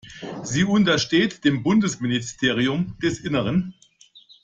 Sie untersteht dem Bundesministerium des Innern.